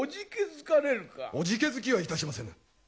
おじけづきはいたしませぬ！